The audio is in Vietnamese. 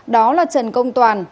đó là trần công toàn